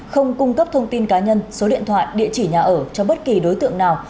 không cung cấp thông tin cá nhân số điện thoại địa chỉ nhà ở cho bất kỳ đối tượng nào